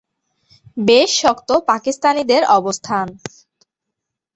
বেশ শক্ত পাকিস্তানিদের অবস্থান।